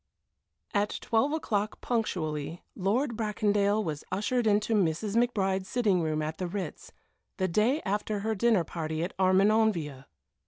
VII At twelve o'clock punctually Lord Bracondale was ushered into Mrs. McBride's sitting room at the Ritz, the day after her dinner party at Armenonville.